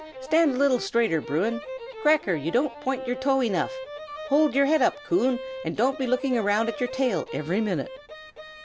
"Stand a little straighter, Bruin! Cracker, you don't point your toe enough. Hold your head up, Coon, and don't be looking round at your tail every minute.